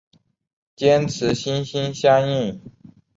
坚持心心相印。